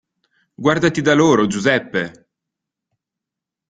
Guardati da loro, Giuseppe!